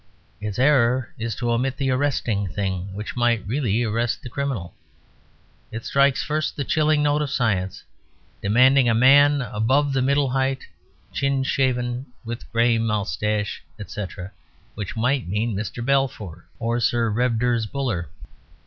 Its error is to omit the arresting thing which might really arrest the criminal. It strikes first the chilling note of science, demanding a man "above the middle height, chin shaven, with gray moustache," etc., which might mean Mr. Balfour or Sir Redvers Buller.